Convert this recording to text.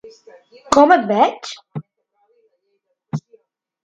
Com et veig?